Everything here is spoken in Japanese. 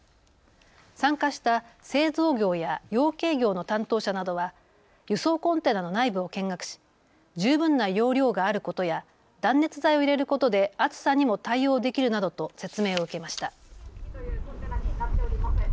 参加した製造業や養鶏業の担当者などは輸送コンテナの内部を見学し十分な容量があることや断熱材を入れることで暑さにも対応できるなどと説明を受けました。